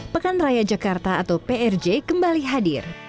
pekan raya jakarta atau prj kembali hadir